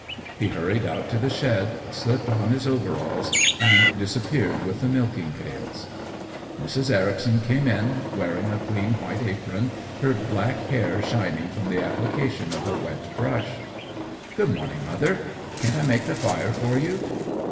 He hurried out to the shed, slipped on his overalls, and disappeared with the milking pails. Mrs. Ericson came in, wearing a clean white apron, her black hair shining from the application of a wet brush. "Good morning, Mother. Can't I make the fire for you?"